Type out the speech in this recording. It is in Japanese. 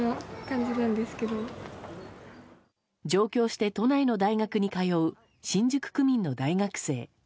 上京して都内の大学に通う新宿区民の大学生。